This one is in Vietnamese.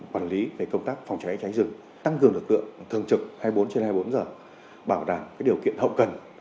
quản lý về công tác phòng cháy cháy rừng tăng cường lực lượng thường trực hai mươi bốn trên hai mươi bốn giờ bảo đảm điều kiện hậu cần